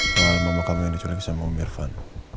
soal mama kamu yang diculik sama om irfan